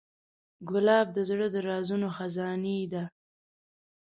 ګلاب د زړه د رازونو خزانې ده.